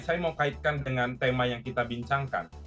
saya mau kaitkan dengan tema yang kita bincangkan